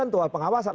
dan tua da pengawasan